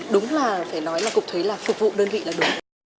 đúng là phải nói là cục thuế là phục vụ đơn vị là đúng